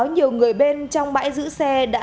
nhiều người bên trong bãi giữ xe đã